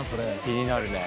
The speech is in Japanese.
気になるね。